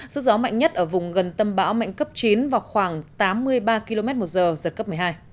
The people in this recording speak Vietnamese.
sức gió mạnh nhất ở vùng gần tâm bão mạnh cấp chín và khoảng tám mươi ba km một giờ giật cấp một mươi hai